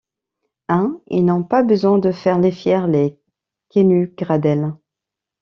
Hein! ils n’ont pas besoin de faire les fiers, les Quenu-Gradelle !